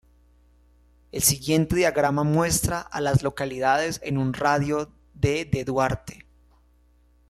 El siguiente diagrama muestra a las localidades en un radio de de Duarte.